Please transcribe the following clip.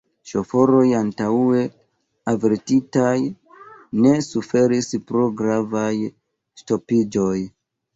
Ŝoforoj, antaŭe avertitaj, ne suferis pro gravaj ŝtopiĝoj.